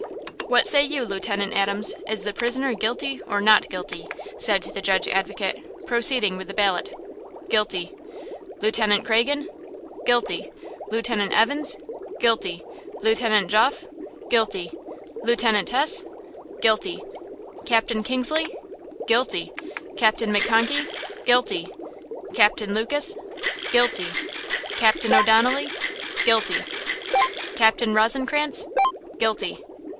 "What say you, Lieutenant Adams–is the prisoner guilty or not guilty?" said the Judge Advocate, proceeding with the ballot. "Guilty!" "Lieutenant Cragin?" "Guilty!" "Lieutenant Evans?" "Guilty!" "Lieutenant Goffe?" "Guilty!" "Lieutenant Hesse?" "Guilty!" "Captain Kingsley?" "Guilty!" "Captain McConkey?" "Guilty!" "Captain Lucas?" "Guilty!" "Captain O'Donnelly?" "Guilty!" "Captain Rozencrantz?" "Guilty!"